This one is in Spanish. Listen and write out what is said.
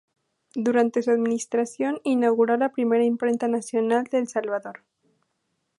Durante su administración, inauguró la primera Imprenta Nacional de El Salvador.